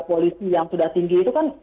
polisi yang sudah tinggi itu kan